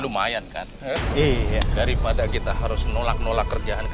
lumayan kan daripada kita harus nolak nolak kerjaan